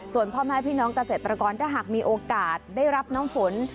ส่วนพ่อแม่พี่น้องเกษตรกรถ้าหากมีโอกาสได้รับน้ำฝน